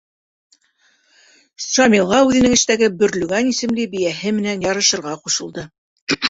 Шамилға үҙенең эштәге Бөрлөгән исемле бейәһе менән ярышырға ҡушылды.